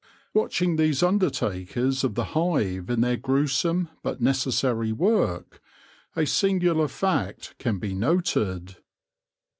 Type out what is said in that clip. Watching these undertakers of the hive in their gruesome but necessary work, a singular fact can be noted.